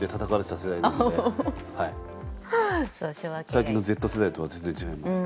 最近のＺ世代とは全然違います。